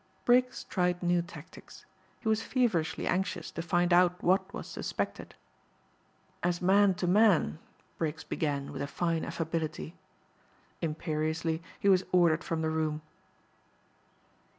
Briggs tried new tactics. He was feverishly anxious to find out what was suspected. "As man to man," Briggs began with a fine affability. Imperiously he was ordered from the room.